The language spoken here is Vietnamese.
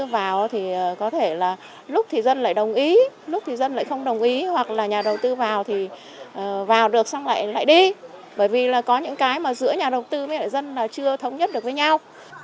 bởi vì là có những cái mà giữa nhà đầu tư với dân là chưa thống nhất được với nhau